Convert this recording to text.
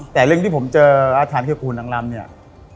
แต่เรื่องที่ผมเจออาถรรห์เทคูณนางรำ